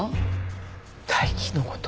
大樹の事？